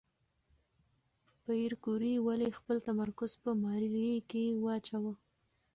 پېیر کوري ولې خپل تمرکز په ماري کې واچاوه؟